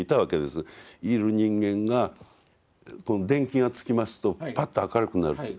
いる人間が電気がつきますとパッと明るくなる。